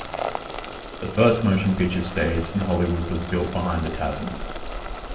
The first motion picture stage in Hollywood was built behind the tavern.